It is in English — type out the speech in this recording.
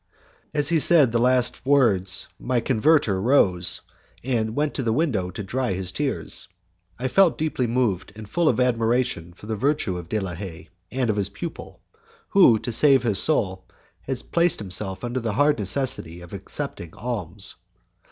As he said the last words my converter rose, and went to the window to dry his tears, I felt deeply moved, and full of admiration for the virtue of De la Haye and of his pupil, who, to save his soul, had placed himself under the hard necessity of accepting alms.